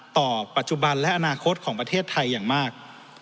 ต่อปัจจุบันและอนาคตของประเทศไทยอย่างมาก